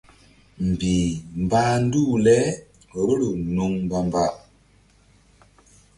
Mbih mbah nduh le vboro nuŋ mbamba.